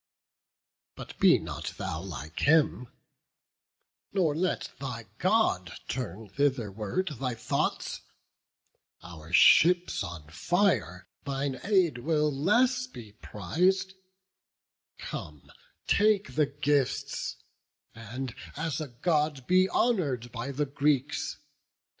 But be not thou like him, nor let thy God Turn thitherward thy thoughts; our ships on fire, Thine aid will less be priz'd; come, take the gifts, And as a God be honour'd by the Greeks.